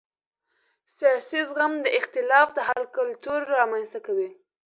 سیاسي زغم د اختلاف د حل کلتور رامنځته کوي